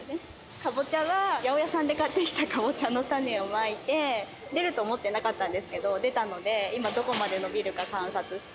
カボチャは八百屋さんで買ってきたカボチャの種をまいて、出ると思ってなかったんですけど、出たので、今、どこまで伸びるか観察して。